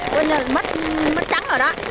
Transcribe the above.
coi như là mất trắng rồi đó